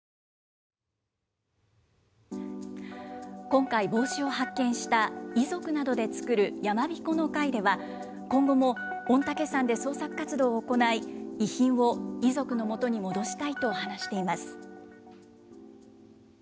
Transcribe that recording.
今回、帽子を発見した遺族などで作る山びこの会では、今後も御嶽山で捜索活動を行い、遺品を遺族のもとに戻したいと話しています。